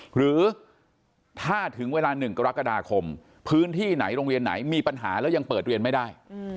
หรือถ้าถึงเวลา๑กรกฎาคมพื้นที่ไหนโรงเรียนไหนมีปัญหาแล้วยังเปิดเรียนไม่ได้